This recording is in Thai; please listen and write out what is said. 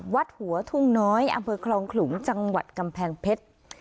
วัดหัวทุ่งน้อยอำเภอคลองขลุงจังหวัดกำแพงเพชร